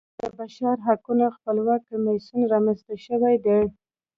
د بشرحقونو خپلواک کمیسیون رامنځته شوی دی.